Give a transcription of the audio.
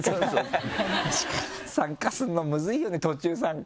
参加するのむずいよね途中参加。